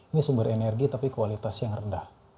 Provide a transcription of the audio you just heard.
ini sumber energi tapi kualitas yang rendah